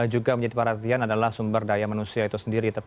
juga menjadi perhatian adalah sumber daya manusia itu sendiri